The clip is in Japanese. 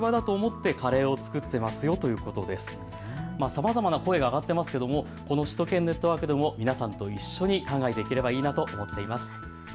さまざまな声が上がっていますけれども首都圏ネットワークでも皆さんと一緒に考えていければいいなと思っています。